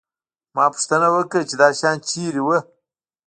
ما پوښتنه وکړه چې دا شیان چېرته وو